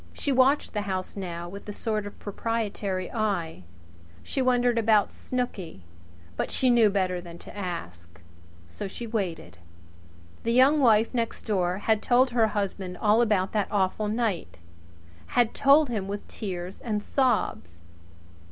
She watched the house now with a sort of proprietary eye. She wondered about Snooky; but she knew better than to ask. So she waited. The Young Wife next door had told her husband all about that awful night had told him with tears and sobs.